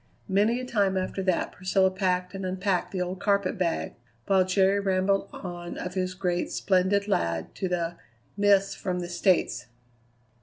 Many a time after that Priscilla packed and unpacked the old carpet bag, while Jerry rambled on of his great and splendid lad to the "Miss from the States."